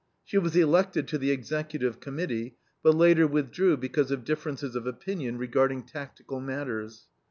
She was elected to the Executive Committee, but later withdrew because of differences of opinion regarding tactical matters.